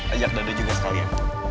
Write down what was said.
ajak dado juga sekali ya